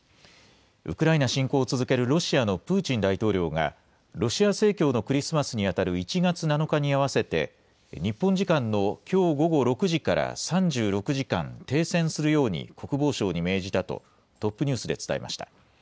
ウクライナ侵攻を続けるロシアのプーチン大統領が、ロシア正教のクリスマスに当たる１月７日に合わせて、日本時間のきょう午後６時から３６時間、停戦するように国防相に命じたと、トップニュースで伝えました。